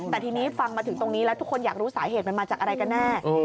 แต่ทีนี้ฟังมาถึงตรงนี้แล้วทุกคนอยากรู้สาเหตุมันมาจากอะไรกันแน่